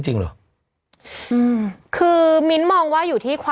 นี่นี่นี่นี่